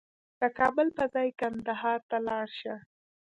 د کابل په ځای کندهار ته لاړ شه